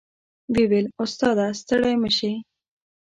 وې ویل استاد ه ستړی مه شې.